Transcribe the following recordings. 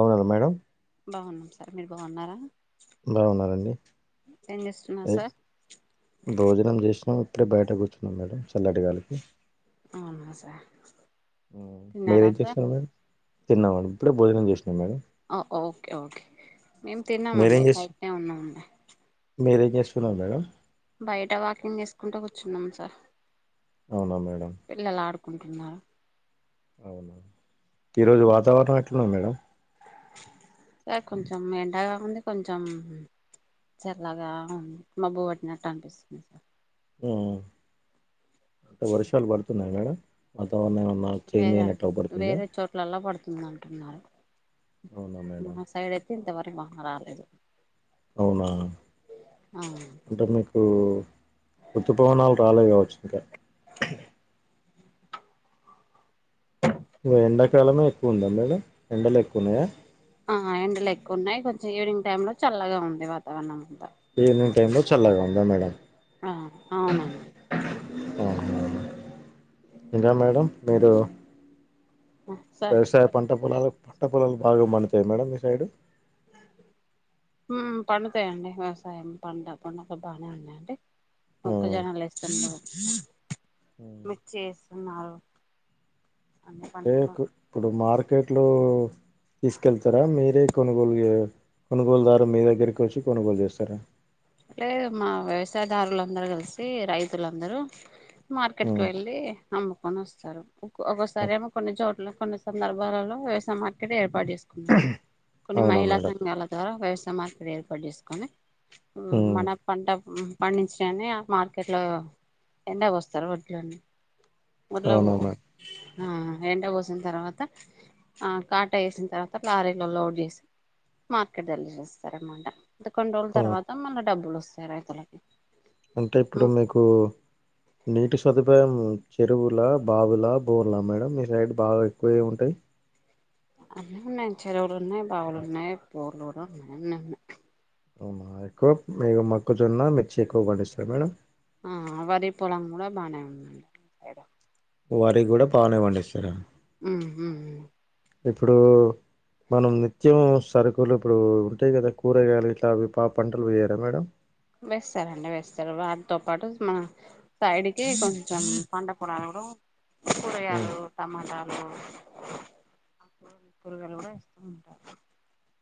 అవునద్ madam బావున్నాం sir మీరు బావున్నారా. బావున్నారండి చేస్తున్నారు ఏక్ సార్ భోజనం జెశ్నవత్ ఇప్పుడే బయట కూర్చున్నాం మేడం చల్లటి గాలికి అవునా సార్ తిన్నారా హుమీరేం సార్ చేస్తార్ మేడం తిన్నావా ఐ ఇప్పుడే భోజనం జేశన్నాం మేడం హో ఒకే ఒకే మీమ్ మీరేం తిన్నామండి చేస్తు బైటనే ఉన్నామండి. మీరేం జేసున్నారు మేడం బయట వాకింగ్ జేసుకుంటా కూర్చున్నాం సార్ అవునా మేడమ్ కుంటున్నారో అవును ఈ రోజు వాతావరణం ఎట్లుంది మేడం సర్ కొంచెం మెండగా ఉంది కొంచెం చల్లగా మబ్బు పట్టినట్టు అనిపిసుంది సార్ హుహ్ అంటే వర్షాలు బడుతున్నాయా మేడం వాతావరణ నాక్ చేంజ్ అయినట్లు అవుపాడుతుందే ఉందంటున్నారు అవునా మేడమ్ హింత వరకు మహ్మరాలేదు అవునా అంటే మీకు ఒత్తుపోవనాలు రాలేద్ గావచ్చు ఇంకా ఫలమే ఎక్కువ ఉందా మేడం ఎండలు ఎక్కువున్నాయా. ఆ ఎండలు ఎక్కువున్నాయ్. కొంచెం ఈవినింగ్ టైమ్ లో చల్లగా ఉంది. వాతావరణం అంతా ఎండే చల్లగా ఉందా మేడం ఆ అవునాన్ ఆహా ఇండ్రా మేడం మీరు ఆ సార్ తోపులలో పట్ట పొలాలు బాగా మండుతాయా మేడం మీ సైడు హు పండుతాయండి వ్యవసాయం పండా పండుగ బానే ఉన్నాయండి. ఆ మొక్క జోనలు ఇస్తుండ్రు. మిర్చి ఏస్తునాగు టేకు ఇప్పుడు మార్కెట్లో తీసుకెళ్తారా మీరే కొనుగోలుయా కొనుగోలుదారు మీ దగ్గరకి వచ్చి కొనుగోలు చేస్తరా. లేదు మా వ్యవసాయదారులందర్ కలిసి రైతులందరూ మార్కెట్కి హ్మ్. వెళ్ళి అమ్ముకొని వసరు. ఒక్ ఒకసారెమో కొన్ని చోట్ల కొన్ని సందర్భాలలో వ్యవసాయ మార్కెట్ ఏర్పాటు చేసుకున్నారు. కొన్ని అవునా మహిళా మేడం సంఘాల ద్వారా వ్యవస్ తా మార్పిడి ఏర్పాటు జేసుకొని హు హ్మ్. మన పంట హుహ్ పడించినయని ఆ మార్కెట్లో ఎండా ఒస్తరు వోడ్లని ఒడ్లవో అవునా మేడం ఆ ఎండ ఓస్ తేల్ తర్వాత ఆ కాటా వఏసిన్ తర్వాత ప్లారీలో లోడ్ జేసి మార్కెట్ దల్ చేస్తారన్నమాట ఇంత కొన్ని రోజుల ఆ! తర్వాత మళ్ళీ డబ్బులు వస్తాయి రైతులకి అంటే ఇప్పుడు మీకు నీటి సదుపాయం చెరువుల బాబలా బోర్లా మేడం మీ సైడ్ బాగా ఎక్కువే ఉంటాయి అన్నా ఉన్నాయి చెరువులు ఉన్నాయి బవులు ఉన్నాయి పోలురు ఉన్నాయిన్నన్నా అవునా ఎక్కువ మీ మొకుజున్న మిర్చి ఎక్కువ పండిస్తారు మేడం ఆ వరి పొలం కూడా బాగానే ఉందండిద వారికి కూడా పావనే పండిస్తారా ఉమ్ ఇప్పుడు మనం నిత్యం సరుకులు ఇప్పుడు ఉంటాయి కదా కూరగాయలు ఇలా అవి పా పంటలు పోయరా మేడం వేస్తారండి వేస్తారు వాటితో పాటు మన సైడ్కి కొంచెం పండ కూడాడం కూరి ఉమ్, ఆలు టమాటా అ కూరుగాలు కూడా ఇస్తూ ఉంటారు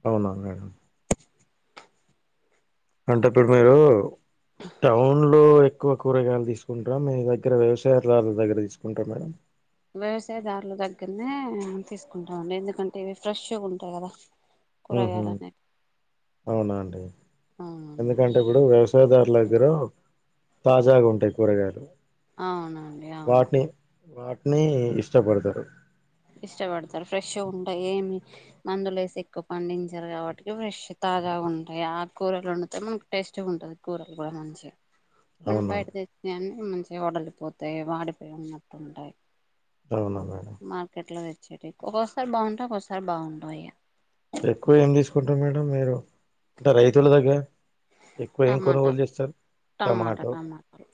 అవునా మేడం అంటే ఇప్పుడు మీరు టౌన్ లో ఎక్కువ కూరగాయలు తీసుకుంటారా మి దగ్గర వ్యవసాయదారుల దగ్గర తీసుకుంటారా మేడం వ్యవసాయదారుల దగ్గరనే తీసుకుంటామండి ఎందుకంటే ఇవి ఫ్రెష్ గ ఉంటాయి కదా హు హు కూరగాయలు అనేవి అవునా అండి అవునండి ఎందుకంటే కూడా వ్యవ సహోదారుల దగ్గర తాజాగా ఉంటాయి కూరగాయలు అవును అండి అవును వాటిని వాటిని ఇష్టపడతారు ఇష్టపడతారు ఫ్రెష్ ఉంటాయి ఏమి మందులు వేసి ఎక్కువ పండించారు కాబట్టి ఫ్రెష్ త తాజా గా ఉంటాయి ఆ కూరలు వండితే మనకు టేస్టీ గా ఉంటుది కూరలు కూడా మంచి మనం అవునా బయట మేడం? తెచ్చిన అన్ని మంచిగా వడలిపోతాయి వాడిపోయి ఉన్నట్టు ఉంటాయి అవునా మేడం మార్కెట్ లో తెచ్చేటి వి ఒక్కోసారి బాగుంటే ఒక్కోసారి బాగుండా అయ్యా ఎక్కువ ఏం తీసుకుంటారు మేడం మీరు అంటే రైతుల దగ్గర ఎక్కువ ఏం టమాటా కొనుగోలు చేస్తారు టమాటా టమాటో టమాటాలు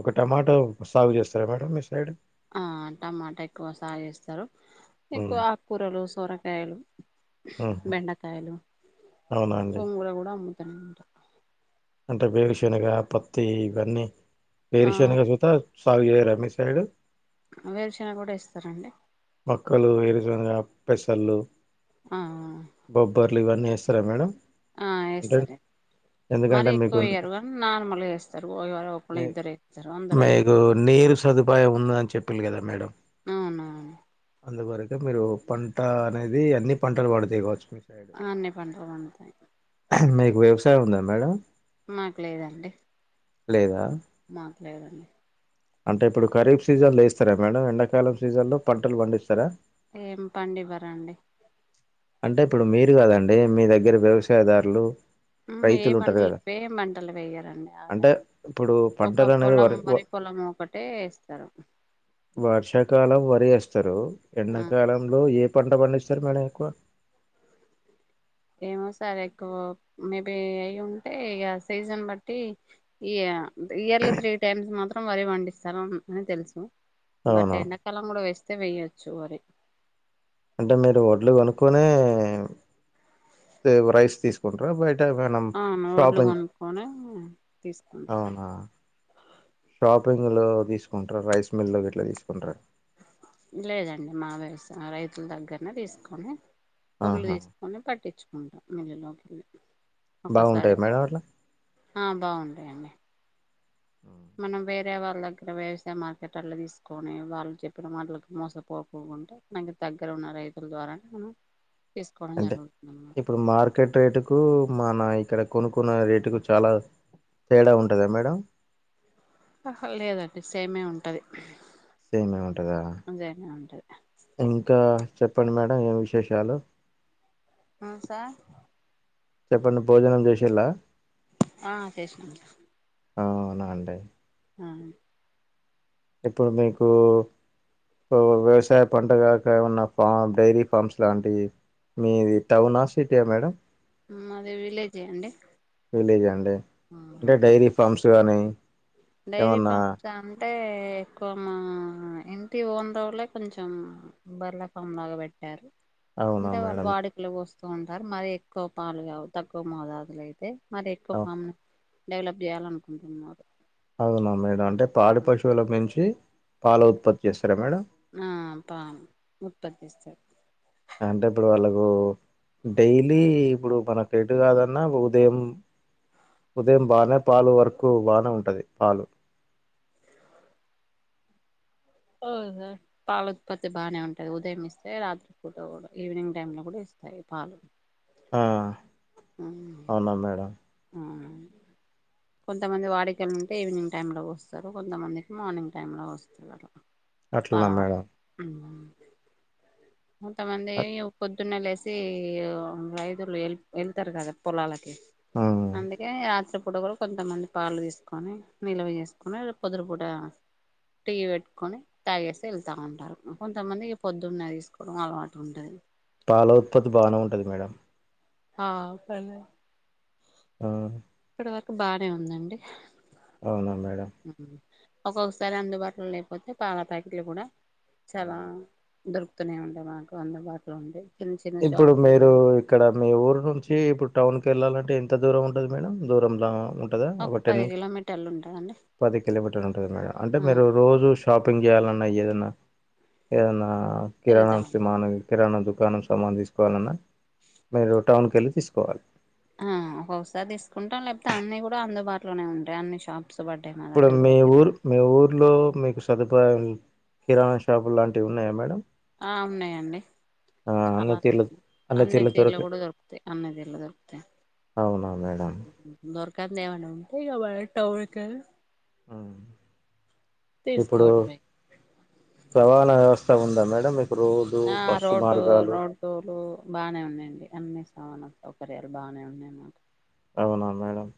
ఒకటి టమాటో సాగు చేస్తారా మేడం మీ సైడ్ ఆ టమాటా ఎక్కువ సాగిస్తారు ఉమ్ ఎక్కువ అక్కురాలు సొరకాయలు ఉహు బెండకాయలు అవునా అండి గోంగూర కూడా అమ్ముతానే ఉంట అంటే వేరుశనగ పత్తి ఇవన్నీ ఆ వేరుశనగ చూత సాగు చేయరా మి సైడు వేరుశనగ కూడా ఏస్తారండి మొక్కలు ఏ విధంగా పెసళ్ళు ఆ బొబ్బర్లు ఇవన్నీ వేస్తారా మేడం ఆ అంటే ఎస్తారు ఎందుకంటే మరి మీకు ఎక్కువ అయ్యారు నీ గానీ నార్మల్ వేస్తారు ఒకళ్లు ఇద్దరు వేస్తారు అందరు ఎయ్యరు మీకు నీరు సదుపాయం ఉన్నది అని చెప్పి లు కదా మేడం అవును అవును అందువరక మీరు పంట అనేది అన్ని పంటలు పండుతాయి గావచ్చు మీరు ఆ అన్ని పంట పండుతాయి మీకు వ్యవసాయం ఉందా మేడం మాకు లేదండి లేదా మాట్లేదండి అంటే ఇప్పుడు ఖరీఫ్ సీజన్లు ఏస్తారా మేడం ఎండాకాలం సీజన్ లో పంటలు పండిస్తారా ఏం పండివ్వరండి అంటే ఇప్పుడు మీరు కాదండి మీ దగ్గర వ్యవసాయదారులు ఏ రైతులు ఉంటారు పంటలు కదా ఏ పంటలు వేయరండి ఆ అంటే టైం ఇప్పుడు ఒక పంటలు అనేది పొలం వ- వరి పొలం ఒకటే వేస్తారు వర్షాకాలం వరి వేస్తారు ఆ ఎండాకాలంలో ఏ పంట పండిస్తారు మేడం ఎక్కువ ఏమో సార్ ఎక్కువ మేబి అయి ఉంటే ఇగ సీజన్ బట్టి ఇగ ఆ ఇయర్లీ త్రీ టైమ్స్ మాత్రం వరి పండిస్తారు అని తెలుసు బట్ అవునా ఎండాకాలం కూడా వేస్తే వేయ్యొచ్చు వరి అంటే మీరు ఒడ్లు కొనుక్కునే రైస్ తీసుకుంటార బయట ఎక్కువ గోనం అవును ఒడ్లు షాపింగ్ కొనుక్కొని తీసుకుంటాం అవునా షాపింగ్ లో తీసుకుంటారా రైస్ మిల్ గిట్ల తీసుకుంటారా లేదండి మావే వేస్తున్న రైతుల దగ్గరనే తీసుకొని వడ్లు ఆహా తీసుకొని పట్టించుకుంటాం మిల్లు లోకి ఒక్కోసారి బాగుంటాయి మేడం అట్లా హ బాగుంటాయండి ఉమ్. మనం వేరే వాళ్ళ దగ్గర వ్యవసాయ మార్కెట్ల అట్లా తీసుకొని వాళ్ళు చెప్పిన మాటలకి మోసపోకు అంటే మనకి దగ్గర ఉన్న రైతుల ద్వారా మనం తీసుకోవడం అంటే జరుగుతుంది అన్నమాట ఇప్పుడు మార్కెట్ రేటు కు మన ఇక్కడ కొనుకున్న రేటుకు చాలా తేడా ఉంటదా మేడం ఆహ లేదండి సేమే ఉంటది సేమే ఉంటందా సేమే ఉంటది ఇంకా చెప్పండి మేడం ఏం విశేషాలు మ్మ్ సార్ చెప్పండి భోజనం చేసింలా ఆ చేసుకున్నాం అవునా అండి అవును ఇప్పుడు మీకు వ్యవసాయ పంటగకా ఉన్న ఫామ్ డైరీ ఫామ్స్ లాంటివి మీది టౌన్ ఆ సిటీ ఆ మేడం మాది విలేజే అండి విలేజ్ అండి ఆ అంటే అదే డైరీ ఫామ్స్ కానీ డైరీ ఏమన్నా ఫామ్స్ అంటే ఎక్కువ మా ఇంటి ఓనర్ రోలే కొంచెం బర్ల ఫామ్ లాగా పెట్టారు అవునా అంటే వాళ్ళు మేడం వాడుకలు పొస్తూ ఉంటారు మరి ఎక్కువ పాలు కావు తక్కువ మోదాదులో అయితే మరి ఎక్కువ అవ్- ఫామ్ డెవలప్ చేయాలనుకుంటున్నారు అవునా మేడం అంటే పాడి పశువుల నుంచి పాల ఉత్పత్తి చేస్తారా మేడం ఆ పాలు ఉత్పత్తి చేస్తారు అంటే ఇప్పుడు వాళ్ళకు డైలీ ఇప్పుడు మనకు ఎటు కాదన్నా ఉదయం ఉదయం బానే పాలు వరకు బానే ఉంటది పాలు పాల ఉత్పత్తి బాగానే ఉంటది ఉదయం ఇస్తే రాత్రి పూట కూడా ఈవినింగ్ టైమ్ లో కూడా ఇస్త పాలు ఆ అవునా మేడం కొంతమంది వాడికలు ఉంటే ఈవినింగ్ టైం లో పొస్తరు కొంతమందికి మార్నింగ్ టైం లో పొస్తరు అట్లనా పాలవాడు మేడం కొంతమంది ఇగా పొద్దున్నే లేసి రైతులు వెళ్తారు కాదా పొలాలకి ఉమ్ అందుకే ఆ చెప్పు కొంతమంది పాలు తీసుకొని నిల్వ చేసుకొని అది పొద్దున పూట టీ పెట్టుకొని తాగేసి వెళ్తా ఉంటారు కొంతమందికి పొద్దున్న తీసుకు నుడు అలవాటు ఉంటది పాల ఉత్పత్తి బానే ఉంటది మేడం హా పర్లేదు మ్మ్ ఇప్పటి వరకు బానే ఉందండి అవునా మేడం ఒక్కొక్కసారి అందుబాటులో లేకపోతే పాల ప్యాకెట్లు కూడా ఆ! చాలా దొరుకుతవి ఇక్కనే ఉండే మాకు అందుబాటులో ఉంది ఇప్పుడు మీరు ఇక్కడ మీ ఊరు నుంచి ఇప్పుడు టౌన్ కి వెళ్ళాలంటే అంటే ఎంత దూరం ఉంటది మేడం దూరంలా ఉ ఉంటదా ఒక టెన్ పది కిలోమీటర్లు ఉంటదండి పది కిలోమీటర్ ఉంటంది మేడం అంటే ఆ మీ రోజు షాపింగ్ చేయాలన్నా ఏదన్నా ఏదన్నా వెళ్తామండి కిరాణామాను కిరాణా దుకాణం సామాను తీసుకోవాలన్నా మీరు టౌన్కి వెళ్ళి తీసుకోవాలి ఆ ఒక్కొకసారి తీసుకుంటాం లేకపోతే అన్ని కూడా అందుబాటులోనే ఉంటాయి అన్ని షాప్ ఇప్పుడు మీ ఊరు మీ ఊర్లో మీక్ ష సదుపాయం కిరాణా షాపు లాంటివి ఉన్నాయా మేడం ఆ ఉన్నాయండి ఆ అన్ని చాలా తీర్ల అన్ని తీర్ల దొరక కూడా దొరుకుతాయి అన్ని తీర్ల దొరుకుతాయి అ మేడం గట్ల ఏమన్న ఉంటే మనం టౌన్ కెళ్ళి ఉ ఇప్పుడు తీసుకోవడమే రవాణా వ్యవస్థ చ ఉందా మేడం మీక్ ఆ రోడ్డు రోడ్లులు బానే ఉన్నాయండి అన్ని అవునా సౌకర్యాలు బానే ఉన్నాయి అండి అవునా మేడం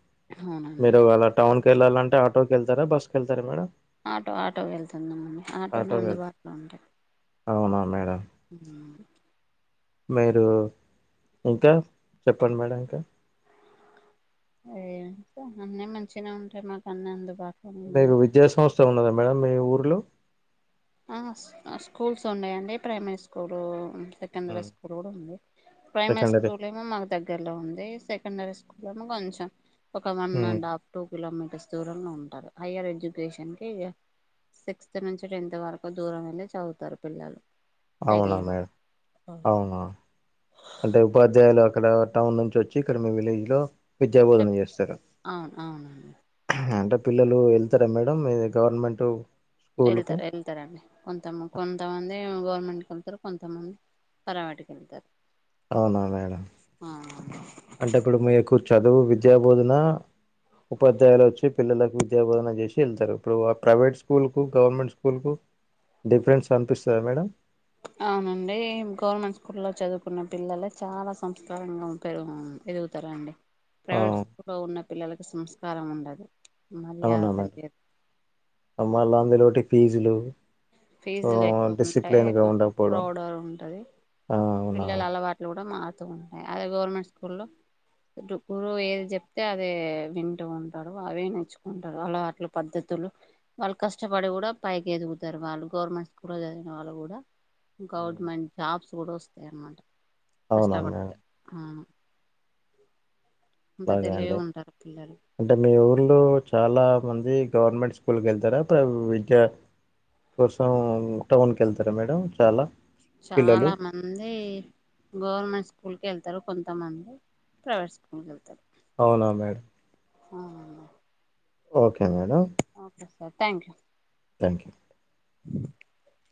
మీరు అలా టౌన్కి వెళ్ళాలంటే ఆటోకి వెళ్తారా బస్సుకి వెళ్తారా మేడం ఆటో ఆటో వెళ్తామండీ ఆటోనే ఆటోకి వెళ్త అందుబాటులో ఉంటాయి అవునా మేడం ఊ మీరు ఇంకా చెప్పండి మేడం ఇంకా ఇగ అంతే అన్నీ మంచిగా ఉంటాయి మాకు అన్ని అందుబాటులో మీకు విద్యా సంస్థ ఉన్నదా మేడం మీ ఊర్లో ఆ స్కూల్స్ ఉన్నాయండి primary school secondary um. School కూడా ఉంది ప్రైమరీ సెకండరీ స్కూల్ ఏమో మాకు దగ్గర లో ఉంది సెకండరీ స్కూల్ ఏమో కొంచెం ఒక one um. And half two kilometers దూరంలో ఉంటారు హైయర్ ఎడ్యుకేషన్ కి ఇగ సిక్స్త్ నుంచి టెన్త్ వరకు కొద్ దూరం వెళ్ళి చదువుతారు పిల్లలు అవునా సైకిల్ మేడం అవునవును అంటే ఉపాధ్యాయులు అక్కడ టౌన్ నుంచి వచ్చి ఇక్కడ మీ విలేజ్ లో విద్యాబోధన చేస్తారు అవును అవునండి ఆ అంట పిల్లలు వెళ్తారా మేడం ఇది గవర్నమెంటు వెళ్తారు వెళ్తారండి కొంత కొంతమంది గవ్ మెంట్ వెళ్తారు కొంతమంది ప్రైవేటు కి వెళ్తారు అవున మేడమ్ అవునండి అంటే ఇప్పుడు మీకూ చదువు విద్యా బోధన ఉపాధ్యాయులు వచ్చి పిల్లలకు విద్యా బోధన చేసి ఎళ్తరు ఇప్పుడు ఆ ప్రైవేట్ స్కూల్ కు గవర్నమెంట్ స్కూల్ కు డిఫరెన్స్ అనిపిస్తదా మేడం అవునండి గవర్నమెంట్ స్కూల్ లో చదువుకున్న పిల్లలే చాలా సంస్కారంగా పెరుగు ఎదుగుతారాండి ఆ, ప్రైవేట్ స్కూల్లో ఉన్న పిల్లలకి సంస్కారం ఉండదు మర్యాద అవున మామ్ తెలియదు మళ్ళ అందులోటి ఫీజులు ఆ, ఫీజులు ఎక్కువ ఉంటాయి డిసిప్లిన్ గా కొ ఉండకపోవడం ప్రౌడర్ ఉంటది ఆ, అవునా పిల్లలు అలవాట్లు కూడా మారుతూ ఉంటాయి అదే గవర్నమెంట్ స్కూల్లో గుటు గురువు ఏది చెప్తే అదే వింటూ ఉంటారు అవే నేర్చుకుంటారు అలా అట్లు పద్ధతి తుళ్ళు వాల్ కష్టపడి కూడా పైకి ఎదుగుతు చరవాళ్ళు గవర్నమెంట్ స్కూల్లో చదిగిన వాళ్ళు కూడా ఉమ్, గవర్నమెంట్ జాబ్స్ కూడా వస్తాయి అన్నమాట అవునా కష్టపడితే మేడం ఆ అలాగే అండి అంటే మీ ఊర్లో చాలా మంది గవర్నమెంట్ స్కూల్కి వెళ్తారా ప్రవ్ జ కోసం టౌన్ కెళ్తారా మేడం చాలా చాలా పిల్లలు మంది గవర్నమెంట్ స్కూల్ కె వెళ్తారు కొంతమంది ప్రైవేట్ స్కూల్ కి వెళ్తారు అవునా మేడం అవున్నా okay madam okay sir thank you thank you [inaudible]